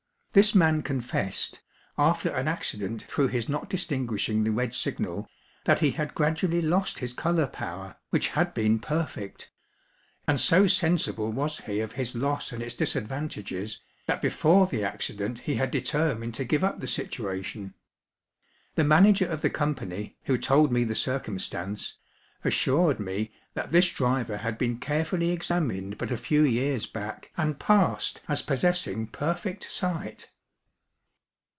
This man confessed, after an accident through his not distinguishing the red signal, that he had gradually lost his colour power, which had been perfect; and so sensible was he of his loss and its disadvantages, that before the accident he had determined to give up the situation. The manager of the Company, who told me the circumstance, assured me that this driver had been carefully examined but a few years back and passed as possessing perfect sight.'